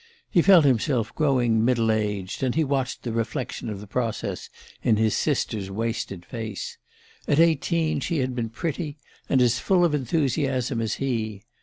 He felt himself growing middle aged, and he watched the reflection of the process in his sister's wasted face. At eighteen she had been pretty, and as full of enthusiasm as he.